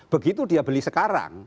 begitu dia beli sekarang